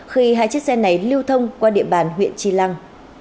khi hai chiếc xe này lưu thông qua địa bàn huyện tri lăng